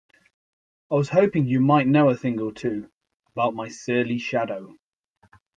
I was hoping you might know a thing or two about my surly shadow?